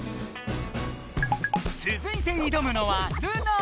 つづいていどむのはルナ！